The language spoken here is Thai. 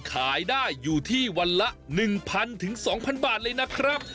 ขายได้อยู่ที่วันละ๑๐๐๒๐๐บาทเลยนะครับ